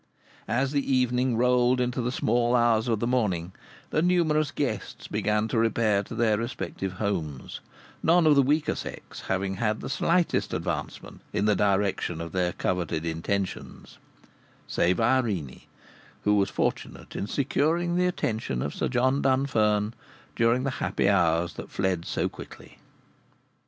As the evening rolled into the small hours of the morning, the numerous guests began to repair to their respective homes, none of the weaker sex having had the slightest advancement in the direction of their coveted intentions, save Irene, who was fortunate in securing the attention of Sir John Dunfern during the happy hours that fled so quickly.